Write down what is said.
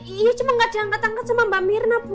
iya cuma gak diangkat angkat sama mbak myrna